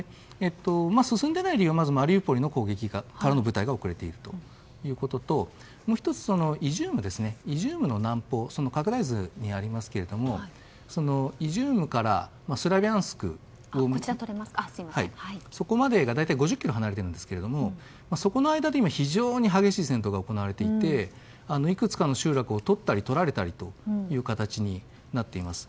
進んでいない理由はマリウポリからの部隊が遅れているということともう１つイジュームの南方拡大図にありますけどイジュームからスラビャンスクが大体５０ｋｍ離れているんですがそこの間で今非常に激しい戦闘が行われていて、いくつかの集落を取ったり取られたりという形になっています。